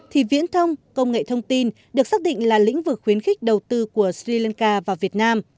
thì viễn thông công nghệ thông tin được xác định là lĩnh vực khuyến khích đầu tư của sri lanka vào việt nam